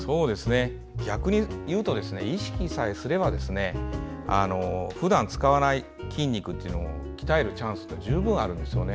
逆に言うと意識さえすればふだん使わない筋肉を鍛えるチャンスは十分あるんですよね。